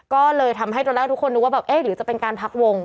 ก็เลยทำให้ตอนแรกทุกคนนึกว่าแบบเอ๊ะหรือจะเป็นการพักวง